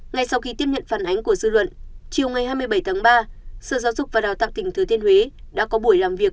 ngay sau khi tiếp nhận phản ánh của dư luận chiều ngày hai mươi bảy tháng ba sở giáo dục và đào tạo tỉnh thừa thiên huế đã có buổi làm việc